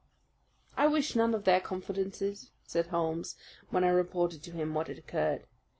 "I wish none of their confidences," said Holmes, when I reported to him what had occurred.